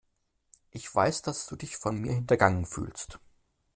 Ich weiß, dass du dich von mir hintergangen fühlst.